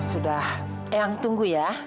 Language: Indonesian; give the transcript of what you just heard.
sudah ayang tunggu ya